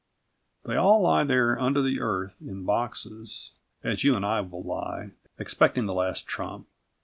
They all lie there under the earth in boxes, as you and I will lie, expecting the Last Trump.